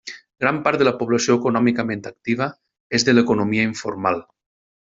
Gran part de la població econòmicament activa és de l'economia informal.